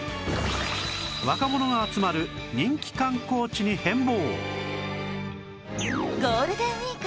若者が集まる人気観光地に変貌